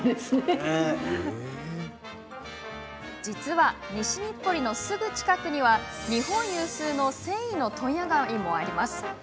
実は、西日暮里のすぐ近くには日本有数の繊維の問屋街もあります。